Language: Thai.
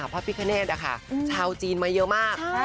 พระพิคเนธชาวจีนมาเยอะมาก